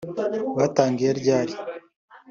Batangiye ryali